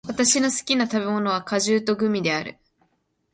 私の好きな食べ物は果物とグミである。